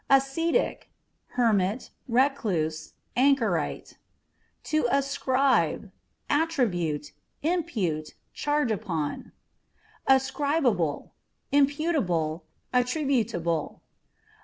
Ascetic â€" hermit, recluse, anchorite. To Ascribe â€" attribute, impute, charge upon. Asc rib able â€" imputable, attributable.